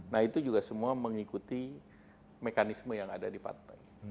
nah itu juga semua mengikuti mekanisme yang ada di partai